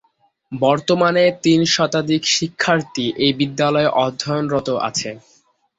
বর্তমানে তিন শতাধিক শিক্ষার্থী এ বিদ্যালয়ে অধ্যয়নরত আছে।